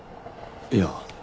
いや。